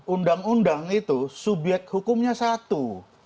undang undang itu subyek hukumnya satu